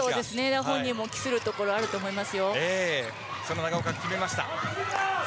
本人も期するところがあると思います。